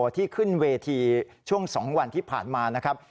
ที่ขึ้นเวทีช่วง๒วันที่ผ่านมานะครับ